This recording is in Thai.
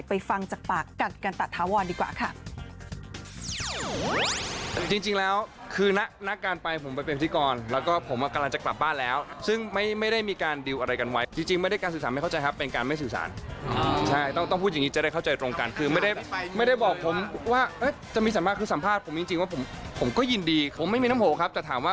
ไปฟังจากปากกันกันตะทะวอนดีกว่าค่ะ